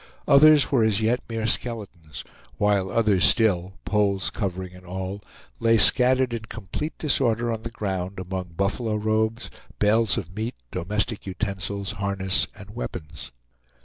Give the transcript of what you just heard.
Others were as yet mere skeletons, while others still poles, covering, and all lay scattered in complete disorder on the ground among buffalo robes, bales of meat, domestic utensils, harness, and weapons.